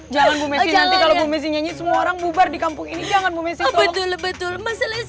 jangan menawarkan kalau gue nyanyi semua orang bubar di kampung ini jangan betul betul masalah